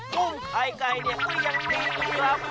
กุ้งไข่ไก่เนี่ยมันยังมีครับ